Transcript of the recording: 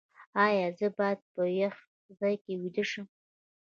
ایا زه باید په یخ ځای کې ویده شم؟